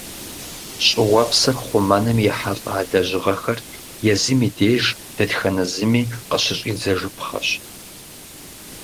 Щӏыуэпсыр хъумэным ехьэлӀа лэжьыгъэхэр езым и деж дэтхэнэ зыми къыщыщӀидзэжыпхъэщ.